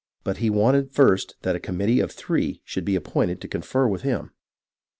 But he wanted first that a com mittee of three should be appointed to confer with him.